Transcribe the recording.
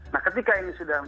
nah ketika ini sudah